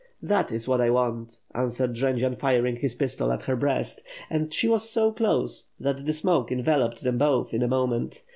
"That is what I want," answered Jendzian, firing his pistol at her breast, and she was so close that the smoke enveloped them both in a moment.